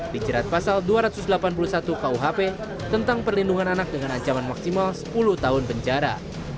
dijerat pasal dua ratus delapan puluh satu kuhp tentang perlindungan anak dengan ancaman maksimal sepuluh tahun penjara